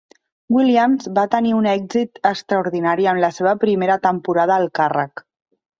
Williams va tenir un èxit extraordinari en la seva primera temporada al càrrec.